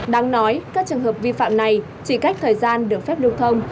đáng nói các trường hợp vi phạm này chỉ cách thời gian được phép lưu thông